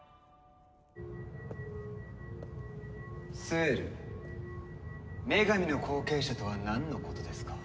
スエル女神の後継者とはなんのことですか？